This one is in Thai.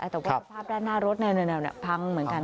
แต่ว่าสภาพด้านหน้ารถพังเหมือนกัน